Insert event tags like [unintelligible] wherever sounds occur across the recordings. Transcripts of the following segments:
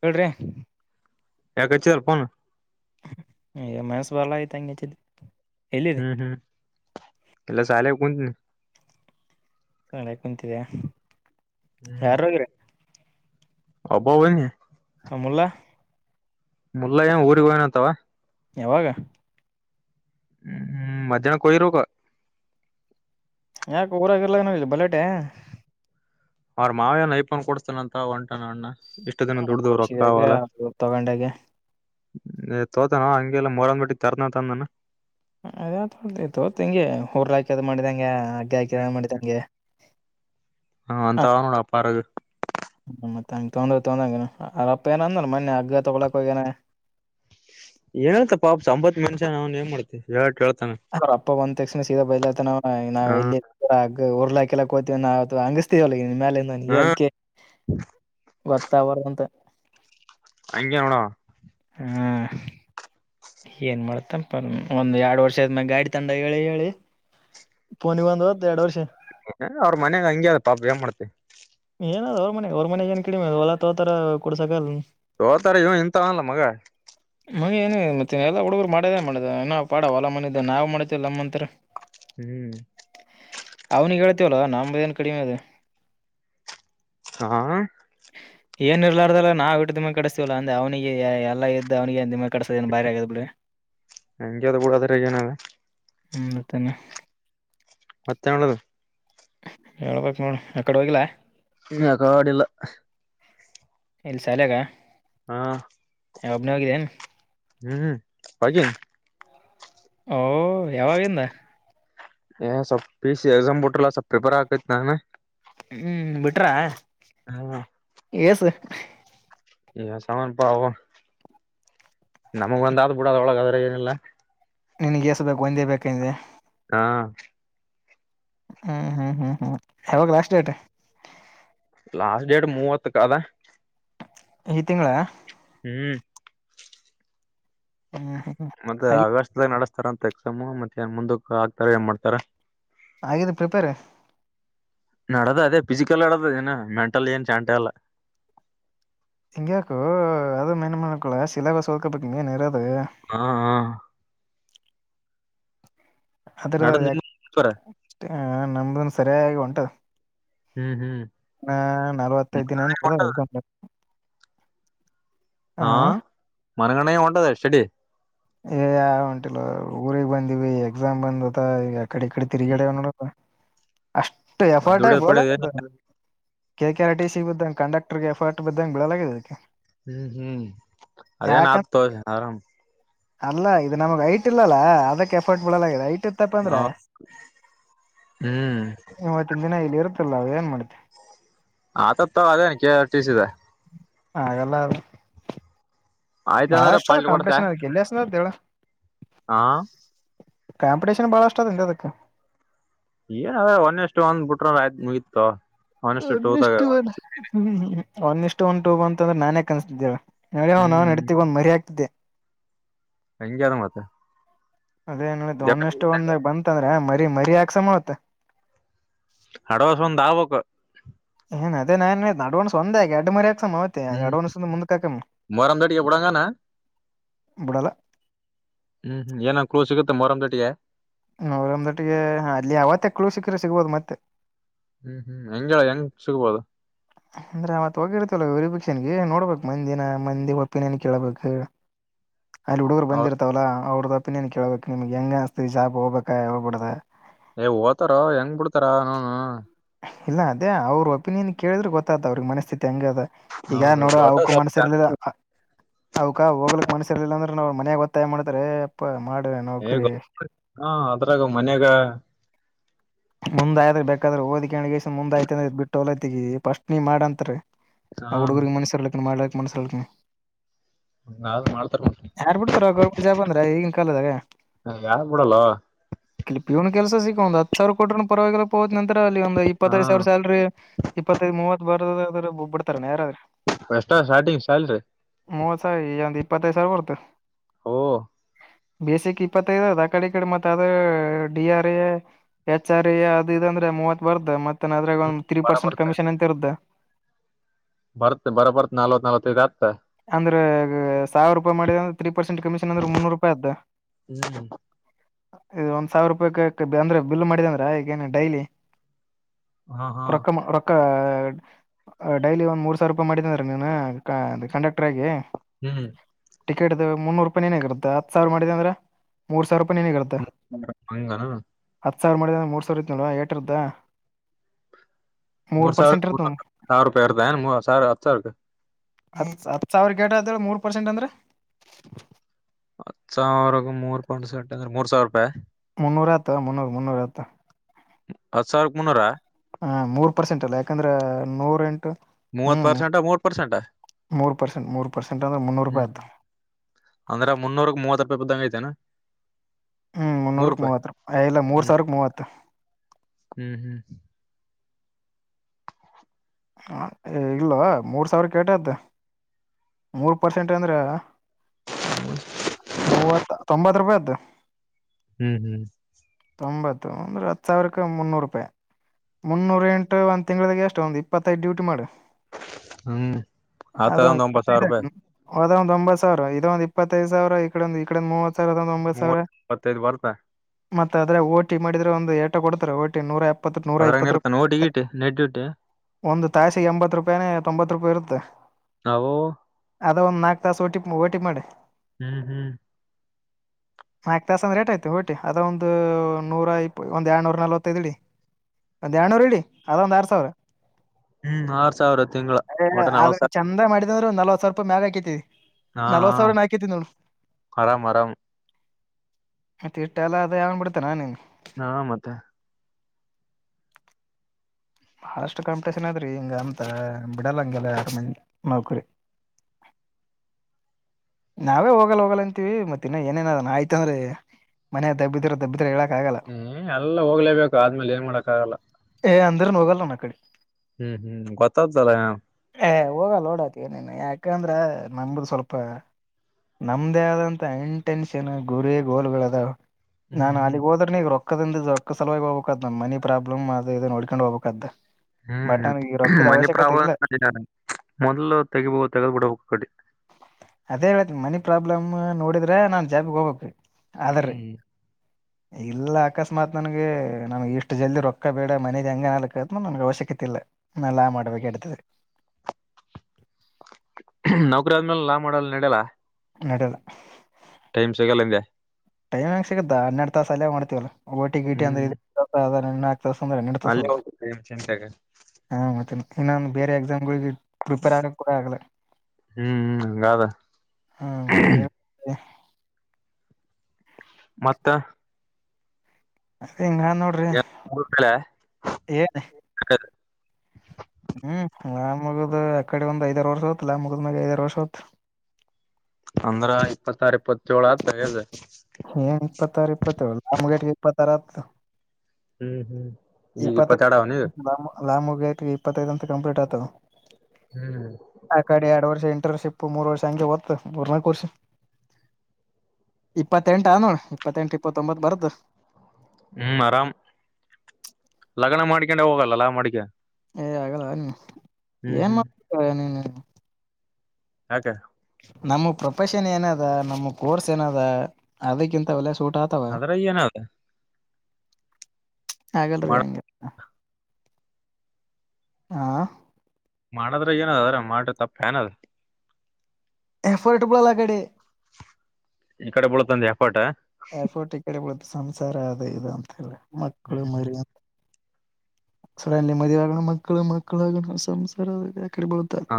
ಹಳ್ರ ಯಕ ಚರ್ ಪನ್ ಹ ಮನಸ್ಸು ಬಳಯ್ ತಂಗ ಹ್ಮ್ ಹ್ಮ್ ಎಲ್ಲ ಚ ಆಲ್ಲ ಕುಂ ಸಳೆ ಕುಂತಿದೆ ಯಾರೋಗ್ರ ಹಬ್ಬ ಬನ ಹಮಲ್ಲ ಮುಲ್ಲಯ ಊರಿಗೆ ಹೋಗನತ್ತಾವ ಯಾವಾಗ ಹ್ಮ್ ಹ್ಮ್ ಮಧ್ಯಾಹ್ನ ಕೊಯಿರೋ ಯಾಕ ಊರಾಗಿರ್ಲ ಇಲ್ಲ ಬಲೆಟೆ ಅವ್ರ ಮಾವ್ಯನ ಐಪನ್ ಕೊಡ್ತನ ಅಂತ ಒಂಟ ನ ಅಣ್ಣ ಎಷ್ಟು ದನ ದುಡ್ದವ್ರು ಅಕ್ಕ ಕೊಡಿಸಿದಾಗ ಅವಲ್ಲ ತಗೊಂಡಾಗ ತೋತಾನ ಹಗೆಲ್ಲ ಮೋಡ್ ಬಿಟ್ಟ ತರ್ನ ತಂದನ ಅದತತ್ತು ತಂಗಿ ಹಊರ್ಲಾಕ ಅದ್ ಮಾಡಿದಂಗ ಹಾಕಿರ ಮಾಡಿದ್ದ್ಂಗೆ ಹ ಅಂತ ಅವ ನೋಡ ಅಪ್ಪ ಅರದು ಹ ಮತ್ತ ಹಂಗ ತೊಂದ್ರ ತೊಂದಂಗ ಏ ಅರಪ್ಪ ಏನ ಅಂದ್ರ ಮೊನ್ನೆ ಅಗ್ಗ ತೊಗೊಳಕ್ ಹೋಗಗೇನೆ ಏ ಹಳ್ತಪ್ಪಾ ಒಂಬತ್ ಮನುಷನ್ ನ್ನ್ ನ್ ಮಾಡ್ತ ಅವ್ರಪ್ಪ ಬಂದ್ ತಕ್ಷಣ ಸೀದಾ ಬಯಲತನ ಹ ನಾವ್ ಎಲ್ಲಿಗ್ ಹಲಾಕೆಲ್ಲ ಕೋತೀವಿ ನಾ ಹಂಗಸ್ತೀವಲ್ಲ ನಿ ಮೇಲೆಿಂದ ಹ ಅದಕ್ಕೆ ಬತ್ತಾ ಅವರ್ಂತ ಹಂಗಗೆ ಹಣ ಹ್ಮ ಏನ್ ಮಾಡ್ತಪ್ಪ ಒಂದ್ ಎರಡು ವರ್ಷ ಆದ್ಮ್ಯ ಗಾಡಿ ತಂಡ ಹೇಳಿ ಹೇಳಿ ಪೋನ ಬ ಒಂದುವತ್ತು ಎರಡು ವರ್ಷ ಅವ್ರ ಮನ್ಯಾಗ ಹಂಗಿ ಆ ಪಾಪ ಏನ್ ಮಾಡ್ತಿವಿ ಏನದ್ ಅವ್ರ ಮನೆ ಅವ್ರ ಮನೆ ಏನ್ ಕಡಿಮೆ ಹೊಲಾ ತೋತರ ಕೊಡ್ಸಕಲ್ ತೋತಾರೆ ಇವ ಇಂತವನ್ಲ್ಲ ಮಗ ಮಗ ಏನ ಮತ್ತ ಎಲ್ಲ ಹುಡುಗರು ಮಾಡ್ಯದೇ ಮಾಡ ಏನ ಪಾ ಹೊಲ ಮನಿದ್ದ ನಾವವು ಮಾಡ್ತೇಲ್ಲ ನಮ್ಮಂತತ್ರ ಹ್ಮ್ ಅವ್ನಿಗೆ ಹೇಳ್ತೀವಲ್ಲ ನಂಬೇನ್ ಕಡಿಮೆ ಅದೆ ಹಾ ಏನ್ ಇರ್ಲಾರ್ದಲ್ಲ ನಾವವು ಇಟ್ಟು ದಿಮ್ಮ ಕಡಸ್ತಿವಲ್ಲ ಅಂದ ಅವನಿಗೆ ಎಲ್ಲ ಇದ್ದ ಅವನಿಗೆಂದಿಮ ಕಡಸೋದ ಏನ್ ಭಾರಿ ಆಗ್ಯಾದ ಬಿ್ರ ಹಂಗೆ ಅದ ಬಿಡ ಅದ್ರಾಗ ಏನದ ನಂತನ ಮತ್ತನಳ್ಳದು ಹಳ್ಬತ್ ಮೂಡ್ ಅಕಡೆ ಹೋಗಲಾ ಹ ಕಾಡ್ ಇಲ್ಲ ಎಲ್ಸ ಅಲ್ಲಗ ಹಾ ಹ್ಮ್ ಹ್ಮ್ ಪಾಜನ್ ಓ ಯಾವಾವಿಂದ ಏ ಸ್ವಪ್ ಪ ಸಿ ಎಕ್ಸಾಮ್ ಬಟಲ್ಲ ಸ್ವಪ ಪ್ರೇಪೇರ್ ಆಕೈತ್ ನಾನ ಹ್ಮ್ ಬಿಟ್ರ ಹಾ ಸು ಇ ಸಾಮನ್ ಪ ನಮಗ್ ಒಂದಾದ್ ಬಿಡದ ಒಳಗಾದದ್ರೆ ಏನಿಲ್ಲ ನಿನಗ್ ಎಸ್ ಬಬೇಕು ಒಂದೇ ಬೇಕಂದೆ ಹಾ ಹ್ಮ್ ಹ್ಮ್ ಹ್ಮ್ ಹ್ಮ್ ಯಾವಾಗ ಲಾಸ್ಟ್ ಡೇಟ್ ಲಾಸ್ಟ್ ಡೇಟ್ ಮೂವತ್ತು ಕದಾ ಈ ತಿಂಗಳ ಹ್ಮ್ ಹ್ಮ್ ಹ್ಮ್ ಹ್ಮ್ ಮತ್ತೆ ಆಗಿ ಅವ್ಯಸ್ಥದಾಗ ನಡಸ್ತ ಎಕ್ಸಾಮ್ ಮತ್ತೆ ಏನ್ ಮುಂದಕ್ ಆಗ್ತಾರ ಏನ್ ಮಾಡ್ತಾರ ಹಾಗಿದ್ದ ಪ್ರಿಪೇರ್ ನ ನಡದ ಅದೇ ಫಿಸಿಕಲ್ ಅಡದ ಏನ ಮೆಂಟಲ್ ಏನ್ ಚಂಟ ಅಲ್ಲ ಇಂಗಕೋ ಅದು ಮೇನುಮನಕ್ಕಡ ಸಲವಸೋದಕಪ್ಪಿ ನಿರ ಅ ಹ ಹ ನಾಡ ನಿಮ್ಮರ ಹಾಂ ನಮ್ದನ್ನು ಸರಿಯಾಗಿ ಹೊಂಟದ ಹ್ಮ್ ಹ್ಮ್ ಹಾ ನಲ್ವತ್ತೈದು್ ದಿನ ಏ ಹೋದ ಹ ಹಾ ಮನಗಣೇ ಒಂಟದ ಶೆಡಿ ಏ ಯಾವ ಉಂಟಿಲ್ಲ ಊಗ್ ಬಂದಿವವಿ ಎಕ್ಸಾಮ್ ಬಂದತ್ತ ಈ ಕಡೆ ಕಡೆ ತಿರುಗಡೆ ನೋಡ ಅಷ್ಟು ಮತ್ ಎಫರ್ಟ್ ಆಗ ದುಡಿಯದ್ ಪಡ ಬೋಲ ಕೆ ಆರ್ ಟ ಸಿ ಬ್ದಗೆ ಕಂಡಕ್ಟರ್ಗೆ ಎಫರ್ಟ್ ಬ್ದಂಗಗೆ ಬಿಳಲಾಗಿದೆ ಅದಕ್ಕೆ ಹ್ಮ್ ಹ್ಮ್ ಅದೇ ಯಾಕಂದ ನತತ ಆರಾಮ ಅಲ್ಲ ಇದು ನಮ್ ಐಟ್ ಇಲ್ಲಲ್ಲ ಅದಕ್ಕೆ ಎಫೋರ್ಟಬಲ್ ಆಗಿದೆ ಐ ತ್ತಪ್ಪ ಅಂದ್ರ ಹ್ಮ್ ಇವತ್ತಿನ ದಿನ ಇಲಿರ ಲ್ಲ ಅವ ಏನ್ ಮಾಡ್ತೆ ಆತತಾವ ಅದೇನ ಕೆ ಆರ್ ಟಿ ಸಿಿದ ಹಲ್ಲ ಆಯ್ತ ಅಂದ್ರೆ ಮಹಾರಾಷ್ಟ್ರ ಪಲ್ಟಿ ಕೊಡ ಕಾಂಪಟಷನ್ ಗೇಲ್ಲೇಸ ನದುವ ಹಾ ಕಾಂಪಿಟೇಷನ್ ಬಾಳ ಅಷ್ಟ ಅದ ಅದಕ್ಕೆ ಏನ ಒಂದ ಎಷ್ಟು ಒಂದ್ ಬಿಟ್ರ ಆಯ್ತ್ ನತ್ತು ಇಷ್ಟುವಣ ಹ್ಮ ಒಂದಿಷ್ಟು ಒಂದು ಟೂಬ ಅಂದ್ರೆ ನಾನೇ ಕನ್ಸತಿದ್ದೇವ ನಡ ಹ್ಮ್ ನಡತಿೀ ಬ ಒ್ ಮರಿ ಆಗ್ತಿದ್ದೆ ಹಂಗೆಾದ ಮಾತ್ತ ಅದೇನುಿದ್ದು ಒನ್ೆಷ್ಟು ಒಂದಾಗ ಬಂತ ಅಂದ್ರೆ ಮರಿ ಮರಿ ಆಾಕ್ಸವತ್ ಹಡವಸ್ ಒಂದ ಆಗ್ಕ್ ಹಏನ್ ಅದೇಾನನ್ ಅಡವಣಸ್ವೊಂತ ಕೆ ಎಡು ಮರ ಸ ಮತ್ತೆ ಹ್ಮ್ ಎರಡು ಒನ್ಸ ಮುಂದ ಕಾಕಾಮ ಮೊರಂ ದಟಿಗೆ ಬಿಡಂಗನ ಬಿುಡಲ್ಲ ಹ್ಮ್ ಏನ ಕ್ಲೂಸ್ ಸಿಗುತ್ತೆ ಮೊರಮ್ ಜಟಿಗೆ ನರೊಂದೊಟ್ಟಿಗೆ ಅಲ್ಲಿ ಯಾವತ್ತೆ ಕಳು ಶಿಖರ ಸಿಗ್ಬೋದು ಮತ್ತೆ ಹು ಹು ಯಂಜಳ್ ಹೆಂಗ್ ಸಿಗ್ಬೋದ? [unintelligible] ಅಂದ್ರೆ ಅವತ್ತ ಹೋಗಿರತಿ ಅಲ್ಲ ವೆರಿಭಕ್ಷನಗೆ ನೋಡಬೇಕ ಮಂದಿನ ಮಂದಿ ಒಪಿನಿಯನ್ ಕೇಳಬೇಕ. [unintelligible] ಹ ಅಲ್ಲಿ ಹುಡುಗರು ಅವ್ರ ಬಂದಿರ್ತವಲ್ಲಾ ಅವರದ್ದ ಒಪಿನಿಯನ್ ಕೇಳಬೇಕ್ ನಿಮ್ಮಗ ಹೆಂಗ ಅನಸ್ತ ಈ ಜಾಬ್ ಹೋಗಬೇಕಾ ಹೋಗಬಾಡದ? [unintelligible] ಏ ಓತಾರೋ ಹೆಂಗ್ ಬಿಡ್ತಾರ ಅವನೌನ್ [unintelligible] ಇಲ್ಲ ಅದೇ ಅವರ ಒಪಿನಿಯನ್ ಕೇಳಿದರ ಗೊತ್ತ ಅವ್ರಿಗೆ ಮನಸ್ಥಿತಿ ಹೆಂಗ ಅದ [unintelligible] ಈಗ ಹೌದು ನೋಡು ದೊಡ್ಡ ಅವಕು ಮನಸ್ಸ ಇರ್ಲಿಲ್ಲ ಅ ಅವಕ ಹೋಗ್ಲಕ್ ಮನಸ್ಸ ಇರ್ಲಿಲ್ಲ ಅಂದ್ರ [unintelligible] ಇರ್ತೀವಿ ನಾವ ಮನೆಯಾಗ ಒತ್ತಾಯ ಮಾಡ್ತಾರೆ ಅಯ್ಯಪ್ಪ [unintelligible] ಏ ಗೊತ್ತ ಹ ಅದ್ರಾಗ ಮನ್ಯಾಗ [unintelligible] ಮುಂದ ಆಗಿದಾಗ ಬೇಕಾದರ ಓದಿಗಣ್ಣಗಸ ಮುಂದ ಆಯ್ತ ಅಂದ್ ಬಿಟ್ಟ ಹೋಲತಗೀ ಫಸ್ಟ್ ನೀ ಮಾಡಂತತ್ರಿ. [unintelligible] ಆ ಹ ಹುಡುಗುರಗೆ ಮನಸ್ಸು ಇರಲಾಕ ಮಾಡಲಕ್ಕ ಮನಸಕ್ಕಳಸ [unintelligible] ಮಾಡ್ತಾರ ಯಾರ ಬಿಡ್ತಾರ ಗೌರ್ಮೆಂಟ್ ಜಾಬ್ ಅಂದ್ರ ಈಗಿನ ಕಾಲದಾಗ, [unintelligible] ಹಾಂಗ ಯಾರ ಬಿಡಲೂ [unintelligible] ಇಲ್ಲಿ ಪಿಯುನ? [unintelligible] ಕೆಲಸ ಸಿಕ್ಕ ಒಂದ್ ಹತ್ತು ಸಾವಿರ ಕೊಟ್ರರು ನು ಪರವಾಗಿಲ್ಲಪಾ ಹೋದ ನಂತರ ಅಲ್ಲಿ ಒಂದು ಹಾ ಇಪ್ಪತ್ತೈದು ಸಾವಿರ ಸ್ಯಾಲರಿ ಇಪ್ಪತ್ತೈದು ಮೂವತ್ತ [unintelligible] ಬರುದ ಆದರ ಬಿಡ್ತಾರಾನ್ ಯಾರರ [unintelligible] ಫಸ್ಟ್ ಸ್ಟಾರ್ಟಿಂಗ್ ಸ್ಯಾಲರಿ [unintelligible] ಮೂವತ್ತ ಸಾವಿಯ ಒಂದ್ ಇಪ್ಪತ್ತೈದು ಸಾವಿರ ಕೊಡ್ತರ [unintelligible] ಹು [unintelligible] ಬೇಸಿಕ್ ಇಪ್ಪತ್ತೈದ ಅದ ಆ ಕಡೆ ಈ ಕಡೆ ಮತ್ತ ಅದ D R A H R A ಅದ ಇದ ಅಂದ್ರ ಮೂವತ್ತ [unintelligible] ಬರುತ್ತ ಮತ್ತನ್ ಅದ್ರಾಗ ಹ್ಮ್ ಒಂದು ತ್ರೀ ಬರ ಪರ್ಸೆಂಟ್ ಕಮಿಷನ್ ಅಂತ ಇರುತ್ತ. [unintelligible] ಬರುತ್ತ ಬರ ಬರ್ತ್ ನಲವತ್ತ ನಲವತ್ತೈದು ಆಗ್ತ. [unintelligible] ಅಂದರ ಸಾವಿರ ರೂಪಾಯಿ ಮಾಡಿದಂದ್ರ [unintelligible] ತ್ರೀ ಪರ್ಸೆಂಟ್ ಕಮಿಷನ್ ಅಂದರ್ ಮುನ್ನೂರು ರೂಪಾಯಿ ಆತ್ತ. ಹ್ಮ್ [unintelligible] ಈ ಒಂದ್ ಸಾವಿರ ರೂಪಾಯಿಕ್ಕ ಅಕೇತ ಅಂದ್ರ ಬಿಲ್ ಮಾಡಿದೇ ಅಂದ್ರ ಈಗೇನ ಡೈಲಿ. ಹಾ [unintelligible] ಹಾ ರೋಕ್ಕಮ ರೋಕ್ಕ. [unintelligible] ಡೈಲಿ ಒಂದ್ ಮೂರ್ ಸಾವಿರ ರೂಪಾಯಿ ಮಾಡಿಂದ್ರ ನೀ ಕಂಡಕ [unintelligible] ಕ್ಟರ್ ಆಗಿ ಹ್ಮ್ ಟಿಕೆಟ್ ದ ಮುನ್ನೂರು ರೂಪಾಯಿ ನೀನಗ ಇರುತ್ತ ಹತ್ತು ಸಾವಿರ ಮಾಡಿದೆ ಅಂದ್ರ ಮೂರ್ ಸಾವಿರ [unintelligible] ಮೂರ ಸಾವಿರ ನಂಗ ಏನ್ [unintelligible] ಹತ್ತ ಸಾವಿರ್ ಮಾಡಿದರ ಮೂರ ಸಾವಿರ ಇತ್ತ ನೋಡ ಏಟ ಇರುತ್ತ? [unintelligible] ಮೂರ್ ಮೂರು ಸಾವಿರಗ ಪರ್ಸೆಂಟ್ ಇರುತ್ತ ಮೂನ್ನುರ ಸಾವಿರ ಅರ್ದ ಮೂರು ಸಾವಿರ ಹತ್ತ ಸಾವಿರ [unintelligible] ಹತ್ತ ಸಾವಿರ ಗೇಟ ಆತ ಹೇಳ ದ ಮೂರ್ ಪರ್ಸೆಂಟ್ ಅಂದ್ರ [unintelligible] ಹತ್ತ ಸಾವಿರ ಮೂರು ಪರ್ಸೆಂಟ್ ಸಂಟ್ ಅಂದ್ರ ಮೂರ ಸಾವಿರ ರೂಪಾಯ [unintelligible] ಮುನ್ನೂರ ಆತ ಮುನ್ನೂರು ಮುನ್ನೂರ ಆತ [unintelligible] ಹತ್ತ ಸಾವಿರಕ್ಕ ಮುನ್ನೂರಾ? [unintelligible] ಹಾ ಮೂರ ಪರ್ಸೆಂಟ್ ಅಲ್ಲ ಯಾಕಂದ್ರ ನೂರ ಎಂಟ [unintelligible] ಹು ಮೂವತ್ ಪರ್ಸೆಂಟ್ ಮೂರ್ ಪರ್ಸೆಂಟ್ ಮೂರು ಪರ್ಸೆಂಟ್ ಮೂರು ಪರ್ಸೆಂಟ್ ಅಂದ್ರ ಮುನ್ನೂರು ಹ್ಮ್ ರೂಪಾಯಿ ಆಯ್ತು. ಹ್ಮ್ [unintelligible] ಅಂದ್ರ ಮುನ್ನೂರಕ್ ಮೂವತ್ತ ರೂಪಾಯಿ ಬಿದ್ದಂಗ ಆಯ್ತ ಏನ್? [unintelligible] ಹೂ ಮುನ್ನುರುಕ್ಕ ಮೂವತ್ತ ಇಲ್ಲ ಮೂರ ಹ್ಮ್ ಸಾವಿರಕ್ಕ ಮೂವತ್ತ. ಹ್ಮ್ [unintelligible] ಹ ಇಲ್ಲ ಮೂರ ಸಾವಿರಗ ಎಸ್ಟ್ ಆತಾ? [unintelligible] ಮೂರ್ ಪರ್ಸೆಂಟ್ ಅಂದರ ಮೂವತ್ತ ತೊಂಬತ್ತ. [unintelligible] ಹದರ್ಬೇಾದ ಹ್ಮ್ ಹ್ಮ್ ತೊಂಬತ್ತು ಅಂದ್ರೆ ಹತ್ತು ಸಾವಿರಕ್ಕೆ ಮುನ್ನೂರು ರೂಪಾಯ [unintelligible] ಮುನ್ನೂರ ಎಂಟು ಒಂದ್ ತಿಂಗಳಗೇ ಎಷ್ಟ ಒಂದು ಇಪ್ಪತ್ತೈದು ಡ್ಯೂಟಿ ಮಾಡ [unintelligible] ಹ್ಮ್ ಅದ ಆತದ ಒಂದ್ ಒಂಬತ್ ಕಂಪ್ಲೀಟ್ ಸಾವಿರ ರೂಪಾಯಿ ಆಯ್ತು ಹೌದ [inaudible] [unintelligible] ಇದ ಒಂದ ಒಂಬತ್ತ ಸಾವಿರ ಇದ ಒಂದ ಇಪ್ಪತ್ತೈದು ಸಾವಿರ ಈ ಕಡೆ ಇಂದ ಇಂದ ಕಡೆ ಮೂವತ್ತ [unintelligible] ಹತ್ತ ಸಾವಿರ ಒಂದ ಒಂಬತ್ತ ಸಾವಿರಾ? ಮೂವತ್ ಇಪ್ಪತ್ತೈದು ಬರ್ತ [unintelligible] ಮತ್ತ ಅದರಾಗ ಓಟಿ ಮಾಡಿದ್ರ ಒಂದು ಏಟ ಕೊಡ್ತಾರೆ ಓಟಿ ನೂರ ಎಪ್ಪತ್ತ. [unintelligible] ನೂರಾ ಅದ್ರಾಗ ಇಪ್ಪತ್ತ ರೂಪಾ ಇರ್ತಾನ ಓಟಿ ತ ಗೀಟಿ ನೆಟ್ ಡ್ಯೂಟಿ [inaudible] ಒಂದ ತಾಸಿಗೆ ಎಂಬತ್ತ ರೂಪಾಯಿ ಏನ್ ತೊಂಬತ್ತ ರೂಪಾಯಿ ಇರುತ್ತ. [unintelligible] ತಾವು [unintelligible] ಅದ ಒಂದು ನಾಲ್ಕು ತಾಸ ಒಟಿಪ ಓಟಿ ಮಾಡ. [unintelligible] ಹ್ಮ್ ಹ್ಮ್ [inaudible] ನಾಲ್ಕು ತಾಸಂದ ರೇಟ್ ಆಯ್ತು ಟಿ ಅದ ಒಂದು ನೂರ ಇ ಒಂದ ಎಏರ್ನೂರ ನಲ್ವತ್ತೈದುಡಿ ಒ ಯಣೂ ರಡಿ ಅದೊಂದ್ ಆರ್ ಸಾವಿರ ಹ್ಮ್ ಆರ್ ಸಾವಿರ ತಿಂಗಳ ಅದ ಒಟ ನಲ್ವತ್ ಆದ್ರೆ ನೀ ಸಾವಿರ ಚಂದ ಮಾಡಿದಂದ್ರೆ ಒಂದು ನಲ್ವತ್ ಸಾವಿರ ರೂಪಾಯಿ ಮ್ಯಾಗ ಹಾಕತಿತಿ ಹಾ ನಲ್ವತ್ ಹಾ ಸಾವಿರ ನಾಕೈತಿ ನೋಡು ಆರಾಮ್ ಆರಾಮ್ ಮತ್ತ ಇರ್ಟ್ಟ ಎಲ್ಲ ಅದ ಯಾವನ್್ ಬಿಿಡ್ತೇಾನ ನಾನ್ ಹಾ ಮತ್ತೆ ಬಷ್ಟ ಕಾಂಪಿಟಷನ್ ಅದ್ರಿ ಹಿಂಗ ಅಂತ ಬಿಡಲ್ಲಂಗಗೆಲ್ಲ ನೌಕರಿ [inaudible] ನಾವೇ ಹೋಗಲ್ಲ ಹೋಗಲ್ಲ ಅಂತೀವಿ ಮತ್ತ ಇನ್ನ ಏನೇನಾದಾ ಆಯ್ತಂದ್ರ ಮನಯ ದಬ್ಬಿದ್ರೆ ದಬ್ಬಿದ್ರೆ ಹೇಳಾಕ್ ಹ್ಮ ಎಲ್ಲ ಹೋಗ್ಲೇಬೇಕು ಆದ್ಮೇಲೆ ಏನ್ ಮಾಡಕ್ ಆಗಲ್ಲ ಇದ್ರ ಹೋಗಲ್ಲ ನಮ್ಮ ಆ ಕಡೆ ಹ್ಮ್ ಹ್ಮ್ ಗತ್ತದ ಜಲ್ಲ ಯ ಏನೇ ಯಾಕಂದ್ರ ನಂಬ್ರ ಸ್ವಲ್ಪ ನಮದೇ ಆದಂಥ ಇಂಟೆನ್ಷನ್ ಗುರಿ ಗೋಲುಗಳದಾವ ನಾನು ಹ್ಮ್ ಅಲ್ಲಿಗ್ ಹೋದ್ರನಗ್ರೋ ಪಕ್ಕದಿಂದಕ್ಕ ಸಲುವವಾಗಿ ಹೋಗ್ಬೇಕಾದ ನ್ ಮನಿ ಪ್ರಾಬ್ಲಮ್ ಅದ ಇದು ನೋಡ್ಕೊಂಡು ಹೋಗ್ಬೇಕಾಗ್ತೆ ಹ್ಮ್ ಮನೆಿ ಪ್ರಬಲ ಮೊದ್ಲು ತೆಿಬೋ ತಗಲ್ಬಿಡ ಹೋಗ ಕಡಿ ಅದೇ ಹೇತಿ ಮನಿ ಪ್ರಾಬ್ಲಮ್ ನೋಡಿದ್ರೆ ನಾನ್ ಜಾಬಿಗೆ ಹೋಗ್ಬೇಕು ಹ್ಮ್ ಇಲ್ಲ ಅಕಸ್ಮಾತ್ ನನ್ಗೆ ನಮ್ಗೆ ಇಷ್ಟು ಜಲ್ದಿ ರೊಕ್ಕ ಬೇಡ ಮನೆದ ಹಂಗನ ಕದ್ಮ ನನ್ಗೆ ಅವಶ್ಯಕತೆ ಇಲ್ಲ ನಲ್ಲಾ ಮಡುವಕ್ಕೆ ಎತದೆ ನೌಕರಿ ಆದ್ಮೇಲೆ ಲಾ ಮಾಡಲ್ಲ ನೆಡ್ಯಲ್ಲ ನಡೆಲ್ಲ ಟೈಮ್ ಸಿಗಲೆಂದೆ ಟೈಮ್ ಹೆಂಗ ಸಿಗುತ್ತಾ ಹನ್ನೆರಡು ತಾಸ ಅಲ್ಲೇ ಮಾಡ್ತತಿವಲ್ಲ ಓಟಿ ಗಿಟಿ [unintelligible] ಅಂದ್ರೆ ಹ್ಮ್ ಂದ್ರೆ ನಡ್ ಅಲ್ಲೇ ತೋಸದ್ದು [unintelligible] ಹೋಗ ಚಿಂತೆಗೆ ಹ ಮತ್ತ ಇನ್ನ ಬೇರೆ ಎಕ್ಸಾಮ್ಗಳಿಗೆ ಪ್ರಿಪೆರಾನ ಕುಡ ಆಗಲ ಹ್ಮ್್ಮ್ಂಗಾದ ಹ್ಮ್ [inaudible] ಚೆನ್ನಾಗಿ ಅದೇ ಮತ್ತ ಹಿಂಗ ನೋಡ್ರಿ ಏನ್ [inaudible] ಹ್ಮ್ ನ ಮುಗದ್ ಆ ಕಡೆ ಒಂದ್ ಐದರ್ ವರ್ಷ ಹತ್ ಮುಗದ್ ಮಾಗ ಐದಾರ ವರ್ಷ ಹತ್ ಅಂದ್ರ ಇಪ್ಪತ್ತಾರ ಇಪ್ಪತ್ಯೋಳು ಆ ತಗದ ಏನ್ [inaudible] ಹ್ಮ್ ಹ್ಮ್ ಈಗ ಇಪ್ಪತ್ತಾ ಇಪ್ಪತ್ತೆರಡ ಅವನ ಈಗ ಇಪ್ಪತ್ತೈ ಅಂತ ಕಂಪ್ಲೀಟ್ ಆಯತು ಹ್ಮ್ ಆ ಕಡೆ ಎರಡು ವರ್ಷ ಎ ಇಟರ್ಶಿಪ್ ಮೂರ್ ವರ್ಷ ಹಂಗೆ ಒತ್ತು ಮೂರ್ ನಾಲ್ಕು ವರ್ಷ ಇಪ್ಪತ್ತೆಂಟ ಅ ನೋ ಇಪ್ಪತ್ತೆಂಟು ಇಪ್ಪತ್ತೊಂಬತ್ತು ಬರದುು ಹ್ಮ್ ಆರಾಮ್ ಲಗ್ನ ಮಾಡ್ಕೊಂಡೆ ಹೋಗಲ್ಲಲ್ಲಾ ಮಾಡಡಿಕ ಏ ಆಗಲ್ಲ ಏನ್ [unintelligible] ಹ್ಮ್ ಮಾಡಡ್ತ ನೀನು ಹ ನಮ್ಮ ಪ್ರೊಫೆಷನ್ ಏನದ ನಮ್ಮ ಕೋರ್ಸ್ ಏನದ ಅದಕ್ಕಿಂತ ಒಳ್ಳ ಅದ್ರ ಏನದ ಹಾಗಲ್ರಿ ಮಾಡ ಹಂಗಗೆ ಹಾ ಮಾಡದ್ರ ಏನ ಅದ್ರ ಮಾಡೆ ತಪ್ಪ ಏನದ ಎಫೋರ್ಟಬಲ್ ಅಲ್ಲ ಕಡೆ ನಿನ್ ಕಡೆ ಬಳುಂದ್ಯಾ ಆ ಪಫೋಟಿ ಕಡೆ ಬದುು ಸಂಸಾರ ಅದ ಇದು ಅಂತಲ್ಲ ಮಕ್ಕಳು ಹ್ಮ್ ಮರಿಂತ ಅಕ್ಷರಲ್ಲಿ ಮದುವೆಗಣ ಮಕ್ಕಳು ಮಕ್ಕಳುಗಣ ಸಂಸಾರ ಅಡೆ ಬಳುತ್ತ ಹಾ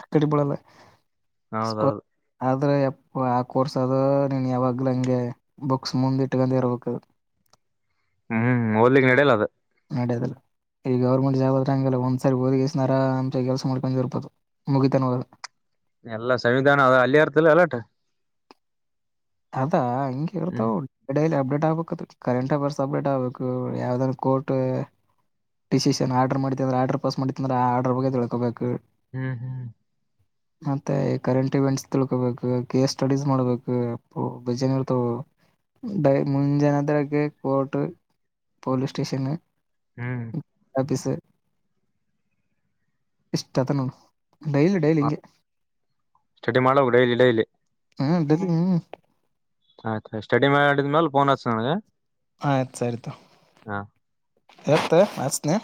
ಅ ಕಡೆ ಬಳಲ್ಲ ಹೌದೌದು ಅ್ರೆಪ್ಪ ಆ ಕೋರ್ಸ್ ಅದು ನೀನ್ ಯಾವಾಗ್ಲ ಹಂಗೆ ಬುಕ್ಸ್ ಮುಂದ್ ಇಟ್ಕೊಂಡ ಇರ್ಬೇಕ [unintelligible] ಹ್ಮ್ ರ್ಲಿಗ್ ನಡಲ ಅ ನಡೆಯದಲ್ಲ ಈಗ ಗೌರ್ಮೆಂಟ್ ಜಾಬ್ ಅತ್ರ ಹಂಗಲ್ಲ ಒಂದ್ಸರಿ ಓದಗಿಸಸನಾರ ಅಂಚ ಕೆಲಸ ಮಾಡ್ಕೊಂಡು ಜರ್ಪದು ಮುಗಿತಾನ ಎಲ್ಲಾ ಸಂವಿಧಾನ ಅ ಅಲ್ಲಿ ಅರ್ತಲ್ಲ ಅಲಟ ಅದಾ ಹಂಗಗೆ ಹ್ಮ್ ಇರ್ತಾವಡೈಲಿ ಹಬ್ಬ ಅಪ್ಡೇಟ್ ಆಗ್ಬೇಕ ಕರೆಂಟ್ ಅಫೇರ್ಸ್ ಅಪ್ಡೇಟ್ ಆಗ್ಬೇಕು ಯಾವ್ದ್ ಕೋರ್ಟ್ ಡಿಸಿಿಷನ್ ಆರ್ಡರ್ ಮಾಡಿದ್ದ ಅಂದ್ರ ಆರ್ಡರ್ ಪಸ್ ಮಾಡತ್ತು ಅಂದ್ರ ಆರ್ಡರ್ ಬಗ್ಗೆ ತಿಳ್ಕೋಬೇಕು ಹ್ಮ್ ಹ್ಮ್ ಮತ್ತೆ ಕರೆಂಟ್ ಇವೆಂಟ್ಸ್ ತಿಳ್ಕೊಬೇಕು ಕೇಸ್ ಸ್ಟಡೀಸ್ ಮಾಡ್ಬೇಕು ಬಜನರ್ತೈ ಮುಂಜನತೆೆ ಕೋಟ್ಟ ಪಲೀಸ್ ಸ್ಟೇಷನ್ ಹ್ಮ್ ಆಫೀಸ್ ಇಷ್ಟ ಅತ ನೋ ಡೈಲಿ ಡೈಲಿ ಹಿಂಗೆ ಸ್ಟಡಿ ಮಾಡ ಡೈಲಿ ಡೈಲಿ ಹ್ಮ ಆಯ್ತಾಯ್ ಸ್ಟಡಿ ಮಾಡಿದ್ಮ್ಯಲೆ ಫೋನ್ ಆತ್ಸ ನನಗೆ [unintelligible] ಆಯ್ತ್ ಸರಿತು ಹಾ ಎತ್ತ ಮಚ್ನೆ